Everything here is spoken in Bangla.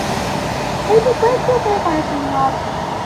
এটি কয়েকটি উপায়ে করা সম্ভব।